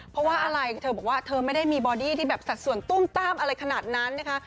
เพราะว่าอะไรเธอบอกว่าเธอไม่ได้มีบอดี้ที่แบบสัดส่วนตุ้มต้ามอะไรขนาดนั้นนะคะ